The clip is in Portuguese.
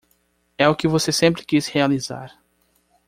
É o que você sempre quis realizar.